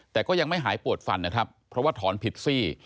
แต่ก็ยังไม่หายปวดฟันนะครับเพราะว่าถอนผิดซี่